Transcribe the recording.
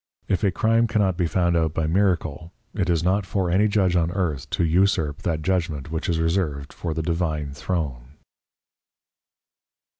If a Crime cannot be found out but by Miracle, it is not for any Judge on Earth to usurp that Judgment which is reserved for the Divine Throne.